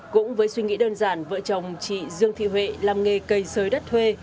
cũng với suy nghĩ đơn giản vợ chồng chị dương thị huệ làm nghề cây sới đất thuê